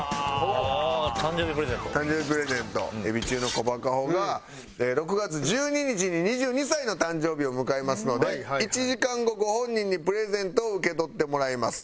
エビ中のこばかほが６月１２日に２２歳の誕生日を迎えますので１時間後ご本人にプレゼントを受け取ってもらいます。